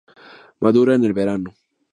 Madura en el verano.